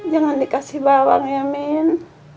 jangan dikasih bawang ya min